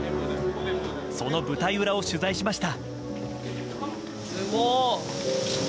その舞台裏を取材しました。